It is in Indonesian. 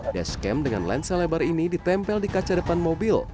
base camp dengan lensa lebar ini ditempel di kaca depan mobil